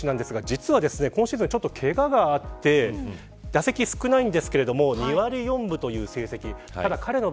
ヌートバー選手ですが、実は今シーズンはちょっとけががあって打席が少ないんですけど２割４分という成績。